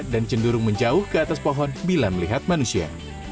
dan cenderung menjauh ke atas pohon bila melihat manusia